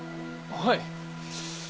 はい。